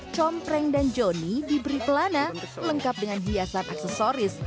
compreng dan johnny diberi pelana lengkap dengan hiasan aksesoris